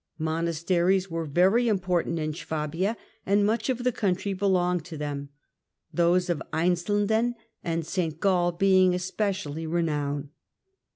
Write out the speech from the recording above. Monasteries were very impor tant in Swabia and much of the country belonged to them, those of Einsiedeln and St. Gall being especially renowned.